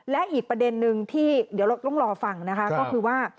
และอีกประเด็นนึงที่เดี๋ยวเราต้องรอฟังนะคะก็คือว่า